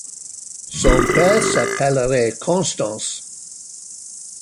Son père s'appellerait Constance.